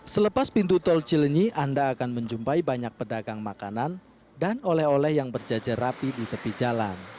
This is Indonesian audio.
selepas pintu tol cilenyi anda akan menjumpai banyak pedagang makanan dan oleh oleh yang berjajar rapi di tepi jalan